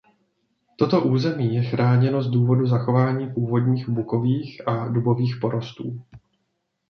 Toto území je chráněno z důvodu zachování původních bukových a dubových porostů.